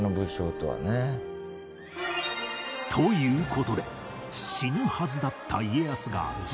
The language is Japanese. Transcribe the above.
という事で死ぬはずだったそれは